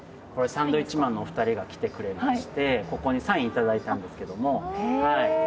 これサンドウィッチマンのお二人が来てくれましてここにサイン頂いたんですけども。